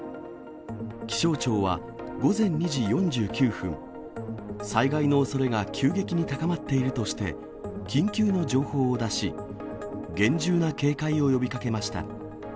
気象庁は、午前２時４９分、災害のおそれが急激に高まっているとして、緊急の情報を出し、厳重な警戒を呼びかけました。